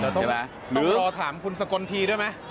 ต้องรอถามคุณสกลทีด้วยไหม